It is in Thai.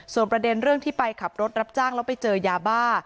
ส่วนประเด็นเรื่องที่ไปขับรถรับจ้างแล้วไปเจอยาบ้า